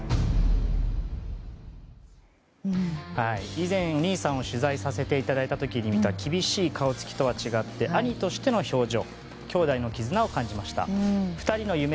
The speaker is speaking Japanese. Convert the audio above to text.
以前、兄さんを取材させていただいた時に見た厳しい顔つきとは違って兄としての表情。